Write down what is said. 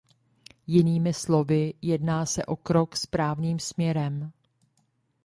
Jinými slovy, jedná se o krok správným směrem.